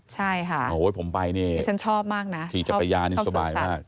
ใช่ค่ะผมไปนี่ขี่จักรยานสบายมากชอบสุขสัตว์